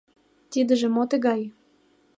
— Тидыже мо тыгай?